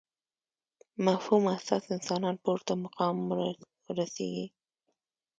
مفهوم اساس انسانان پورته مقام ورسېږي.